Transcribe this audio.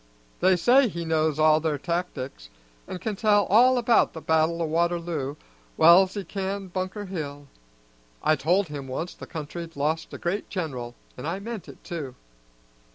They say he knows all their tactics, an' can tell all about the battle o' Waterloo well's he can Bunker Hill. I told him once the country'd lost a great general, an' I meant it, too."